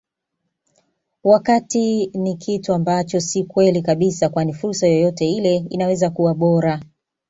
wakati ni kitu ambacho si kweli kabisa kwani fursa yeyote ile inaweza kuwa bora